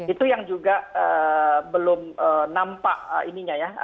itu yang juga belum nampak ininya ya